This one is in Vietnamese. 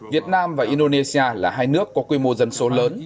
việt nam và indonesia là hai nước có quy mô dân số lớn